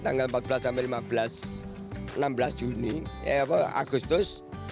tanggal empat belas sampai lima belas enam belas juni agustus